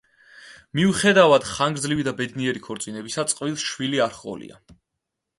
მიუხედავად ხანგრძლივი და ბედნიერი ქორწინებისა, წყვილს შვილები არ ჰყოლია.